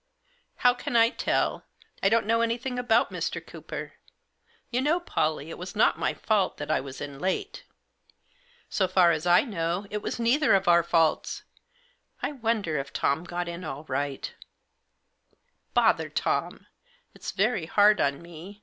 " "How can 1 tell? I don't know anything about Mr. Cooper. You know, Pollie, it was not my fault that I was in late." " So far as I know it was neither of our faults. I wonder if Tom got in all right" "Bother Tom! Ifs very hard on me.